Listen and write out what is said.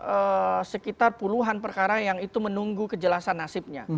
ada sekitar puluhan perkara yang itu menunggu kejelasan nasibnya